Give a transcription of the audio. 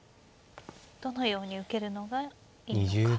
どのように受けるのがいいのか。